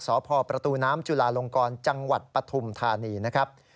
สพประตูน้ำจุลาลงกรจังหวัดปฐุมธานีนะครับ